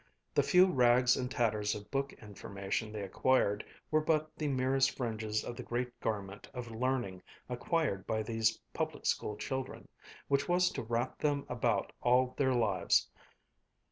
The few rags and tatters of book information they acquired were but the merest fringes on the great garment of learning acquired by these public school children, which was to wrap them about all their lives.